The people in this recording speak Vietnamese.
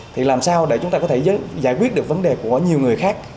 thì làm sao để chúng ta có thể giải quyết được vấn đề của nhiều người khác